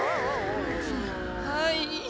はい。